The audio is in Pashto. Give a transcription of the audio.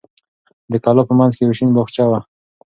د کلا په منځ کې یو شین باغچه وه.